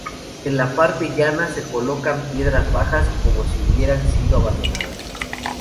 En la parte llana, se colocan piedras bajas, como si hubieran sido abandonadas.